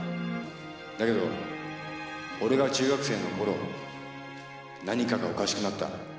だけど俺が中学生の頃何かがおかしくなった。